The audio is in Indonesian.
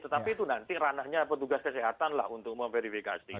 tetapi itu nanti ranahnya petugas kesehatan lah untuk memverifikasi